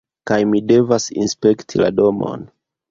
kaj mi devas inspekti la domon.